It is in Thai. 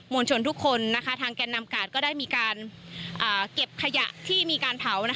วลชนทุกคนทางแก่นำกาดก็ได้มีการเก็บขยะที่มีการเผา